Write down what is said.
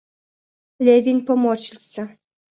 Левин поморщился.